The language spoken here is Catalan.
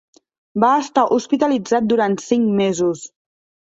Va estar hospitalitzat durant cinc mesos.